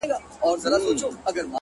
o زما خو ټوله زنده گي توره ده،